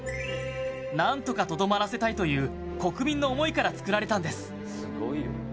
なんとかとどまらせたいという国民の思いから作られたんです！